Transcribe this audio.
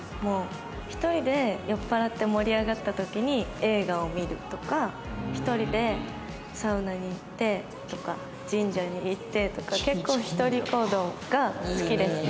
１人で酔っ払って盛り上がった時に映画を見るとか１人でサウナに行ってとか神社に行ってとか結構１人行動が好きです。